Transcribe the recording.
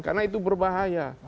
karena itu berbahaya